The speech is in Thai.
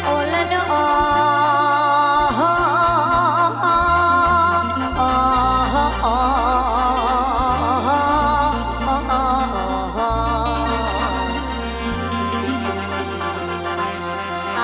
โอลนโอโอโหโอโหโอโอโหโอโห